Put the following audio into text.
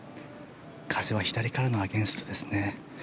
風は左からのアゲンストですね。